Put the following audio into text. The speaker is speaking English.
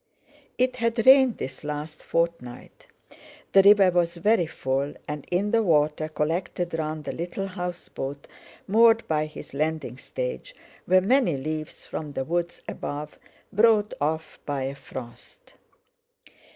It had rained this last fortnight—the river was very full, and in the water, collected round the little house boat moored by his landing stage, were many leaves from the woods above, brought off by a frost.